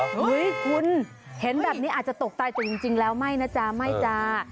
เฮ้ยคุณเห็นแบบนี้อาจจะตกใจแต่จริงแล้วไม่นะจ๊ะไม่จ้า